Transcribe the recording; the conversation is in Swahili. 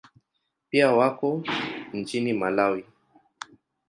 Pia wako nchini Malawi.